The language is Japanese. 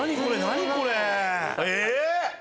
何これ⁉え⁉